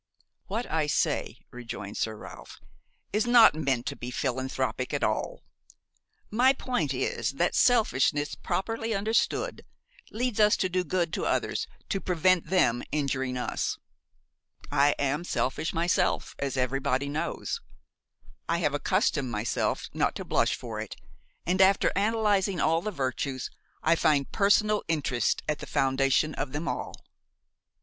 "What I say," rejoined Sir Ralph, "is not meant to be philanthropic at all; my point is that selfishness properly understood leads us to do good to others to prevent them injuring us. I am selfish myself, as everybody knows. I have accustomed myself not to blush for it, and, after analyzing all the virtues, I find personal interest at the foundation of them all.